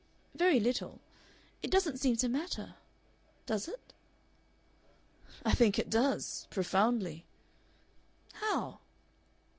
"Very little. It doesn't seem to matter. Does it?" "I think it does. Profoundly." "How?"